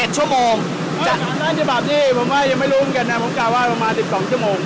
จากร้านฉบับนี้ผมว่ายังไม่รู้มันแค่ไหนผมกล่าวว่าประมาณสิบสองชั่วโมง